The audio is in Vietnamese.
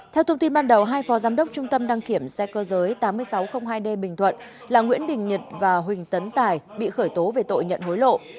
theo thông tin ban đầu hai phó giám đốc trung tâm đăng kiểm xe cơ giới tám nghìn sáu trăm linh hai d bình thuận là nguyễn đình nhật và huỳnh tấn tài bị khởi tố về tội nhận hối lộ